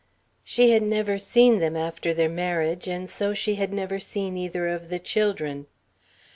She had never seen them after their marriage, and so she had never seen either of the children.